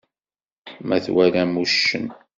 Ma twalam uccen.